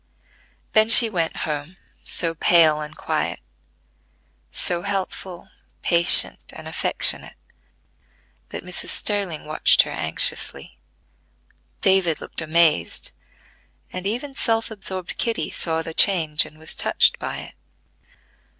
Then she went home so pale and quiet; so helpful, patient, and affectionate, that Mrs. Sterling watched her anxiously; David looked amazed; and, even self absorbed Kitty saw the change, and was touched by it.